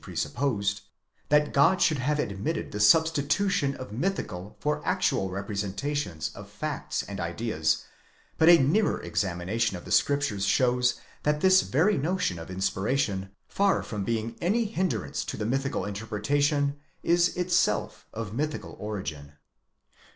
53 presupposed,) that God should have admitted the substitution of mythical for actual representations of facts and ideas, but a nearer examination of the 'scriptures shows that this very notion of inspiration, far from being any hind rance to the mythical interpretation, is itself of mythical origin.